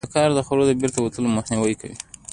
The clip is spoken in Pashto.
دا کار د خوړو د بیرته وتلو مخنیوی کوي.